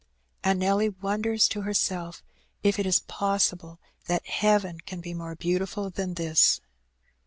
And Nelly wonders to herself if it is possible that heaven can be more beautiful than this.